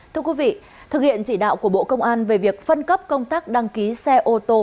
thưa quý vị thực hiện chỉ đạo của bộ công an về việc phân cấp công tác đăng ký xe ô tô